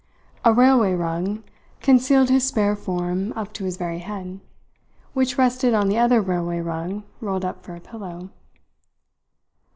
A railway rug concealed his spare form up to his very head, which rested on the other railway rug rolled up for a pillow.